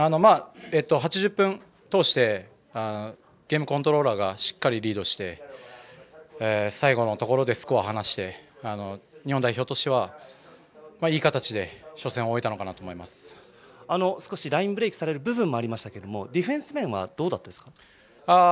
８０分通してゲームコントローラーがしっかりリードして最後のところでスコア離して日本代表としてはいい形で少しラインブレークされる部分もありましたけどディフェンス面はどうだったのでしょうか。